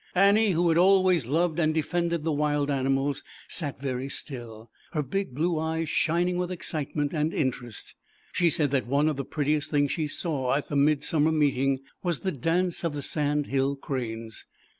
Annie who had always loved and defended the Wild Animals, sat very still, her big blue eyes shining with excitement and interest. She said that one of the prettiest things she saw at the Mid summer Meeting, was the dance of the Sand Hill Cranes.